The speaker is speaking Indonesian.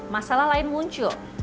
masalah lain muncul